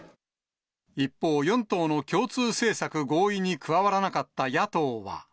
一方、４党の共通政策合意に加わらなかった野党は。